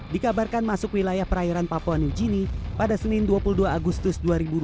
dikabarkan masuk wilayah perairan papua new guinea pada senin dua puluh dua agustus dua ribu dua puluh